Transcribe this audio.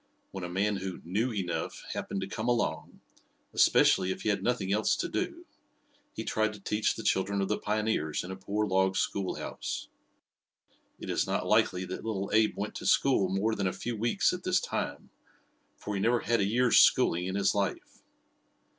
When a man who "knew enough" happened to come along, especially if he had nothing else to do, he tried to teach the children of the pioneers in a poor log schoolhouse. It is not likely that little Abe went to school more than a few weeks at this time, for he never had a year's schooling in his life.